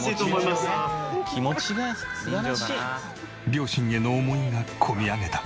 両親への思いが込み上げた。